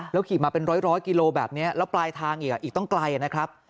ขี่มาเป็นร้อยกิโลแบบนี้แล้วปลายทางอีกอีกต้องไกลนะครับ